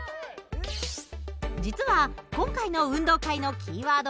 実は今回の運動会のキーワードは重心です。